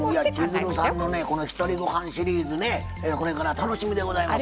千鶴さんのこの「ひとりごはん」シリーズねこれから楽しみでございます。